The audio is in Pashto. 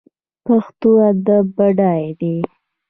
پښتو ادب بډای دی